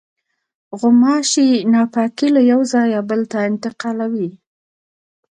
غوماشې ناپاکي له یوه ځایه بل ته انتقالوي.